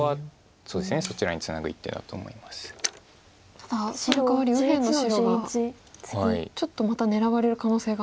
ただそのかわり右辺の白がちょっとまた狙われる可能性が。